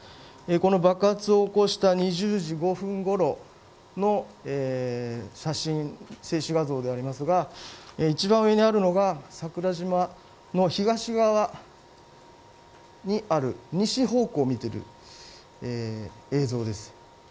この爆発を起こした２０時５分ごろの写真、静止画像でありますが一番上にあるのが桜島の東側にある西方向を見ている映像です。